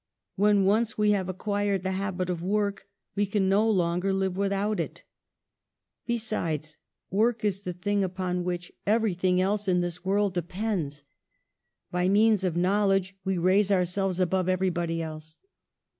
When once we have acquired the habit of work we can no longer live without it. Besides, work is the thing upon which every 12 PASTEUR thing else in this world depends. By means of knowledge we raise ourselves above every body else.